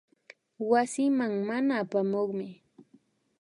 Wasiman mana apamukmi